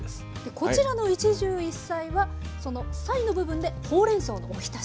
こちらの一汁一菜はその「菜」の部分でほうれんそうのおひたし。